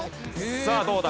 さあどうだ？